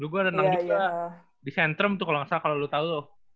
dulu gue berenang juga di sentrum tuh kalo gak salah kalo lu tau loh